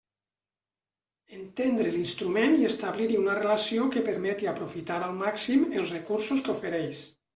Entendre l'instrument i establir-hi una relació que permeti aprofitar al màxim els recursos que ofereix.